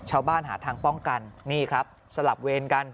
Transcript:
ชาวบ้านหาทางป้องกันนี่ครับสลับเวรกัน